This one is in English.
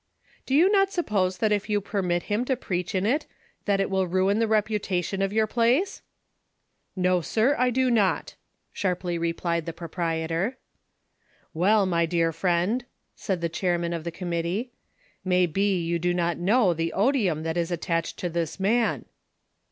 " Do you not suppose that if you permit him to preach in it, that it will ruin the reputation of your place ?" "Xo, sir, I do not," sharply replied the proprietor. "Well, my dear friend," said the chairman of the com mittee, "may be you do not know the odium that is at tached to this man."